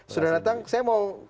sudah datang saya mau